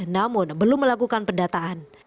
namun belum melakukan pendataan